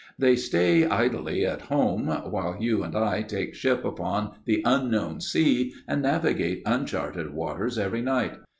They stay idly at home, while you and I take ship upon the Unknown Sea and navigate uncharted waters every night.